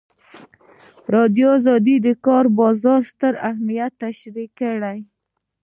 ازادي راډیو د د کار بازار ستر اهميت تشریح کړی.